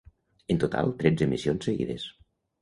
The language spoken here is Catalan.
En total, tretze emissions seguides.